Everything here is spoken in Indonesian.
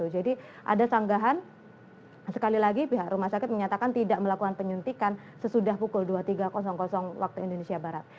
ada sanggahan sekali lagi pihak rumah sakit menyatakan tidak melakukan penyuntikan sesudah pukul dua puluh tiga waktu indonesia barat